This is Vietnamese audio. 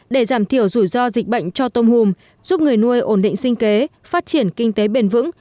để giảm thiểu rủi ro dịch bệnh cho tôm hùm giúp người nuôi ổn định sinh kế phát triển kinh tế bền vững